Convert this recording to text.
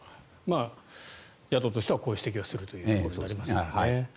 野党としてはこういう指摘はするということになりますからね。